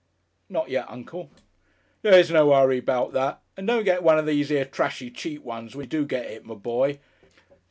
"Not yet, uncle." "There's no 'urry 'bout that. And don't get one of these 'ere trashy cheap ones when you do get it, my boy.